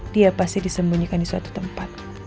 dia pasti disembunyikan di suatu tempat